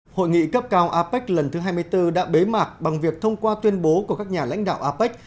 hội nghị cấp cao apec lần thứ hai mươi bốn đã bế mạc bằng việc thông qua tuyên bố của các nhà lãnh đạo apec